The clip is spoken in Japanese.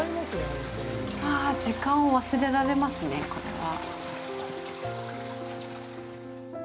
ハァァ、時間を忘れられますね、これは。